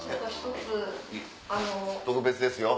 特別ですよ。